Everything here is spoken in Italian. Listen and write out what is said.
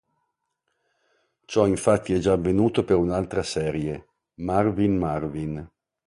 Ciò infatti è già avvenuto per un'altra serie, "Marvin Marvin".